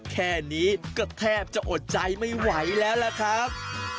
แค่นี้ก็แทบจะอดใจไม่ไหวแล้วล่ะครับ